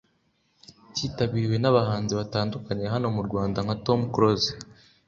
cyitabiriwe n’abahanzi batandukanye hano mu Rwanda nka Tom Close